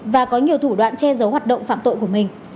và có nhiều thủ đoạn che giấu hoạt động phạm tội của mình